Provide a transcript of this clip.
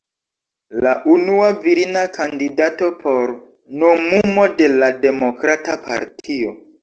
La unua virina kandidato por nomumo de la demokrata partio.